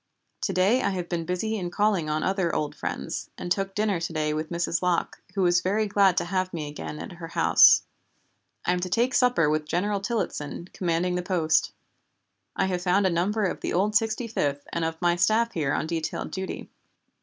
To day I have been busy in calling on other old friends, and took dinner to day with Mrs. Locke, who was very glad to have me again at her house. I am to take supper with General Tillottson, commanding the post. I have found a number of the old Sixty fifth and of my staff here on detailed duty.